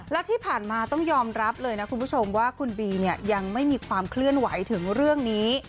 และที่ผ่านมาต้องยอมรับเลยนะคุณผู้ชมว่าคุณบีเนี่ยยังไม่มีความเคลื่อนไหวถึงเรื่องนี้